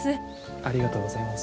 ありがとうございます。